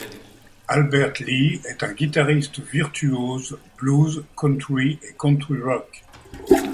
Albert Lee est un guitariste virtuose blues, country et country rock.